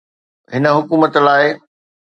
هن حڪومت لاءِ.